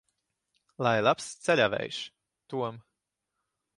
Lai labs ceļavējš, Tom!